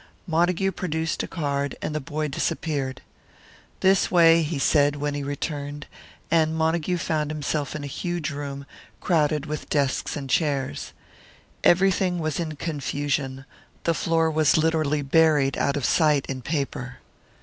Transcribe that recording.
Montague produced a card, and the boy disappeared. "This way," he said, when he returned; and Montague found himself in a huge room, crowded with desks and chairs. Everything was in confusion; the floor was literally buried out of sight in paper.